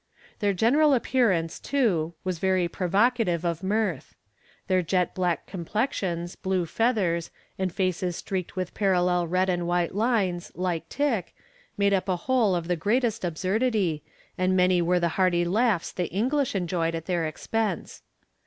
Their general appearance, too, was very provocative of mirth. Their jet black complexions, blue feathers, and faces streaked with parallel red and white lines, like tick, made up a whole of the greatest absurdity, and many were the hearty laughs the English enjoyed at their expense.